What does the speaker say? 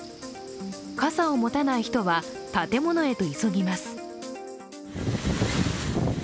傘を持たない人は建物へと急ぎます。